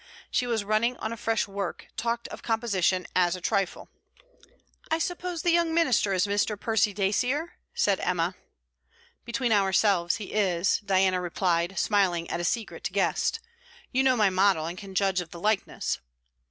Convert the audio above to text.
She was running on a fresh work; talked of composition as a trifle. 'I suppose the YOUNG MINISTER is Mr. Percy Dacier?' said Emma. 'Between ourselves he is,' Diana replied, smiling at a secret guessed. 'You know my model and can judge of the likeness.'